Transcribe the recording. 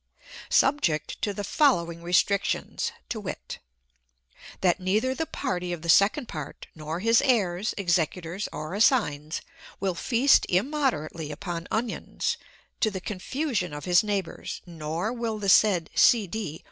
Subject to the following restrictions, to wit: That neither the party of the second part, nor his heirs, executors, or assigns, will feast immoderately upon onions, to the confusion of his neighbours; nor will the said C. D.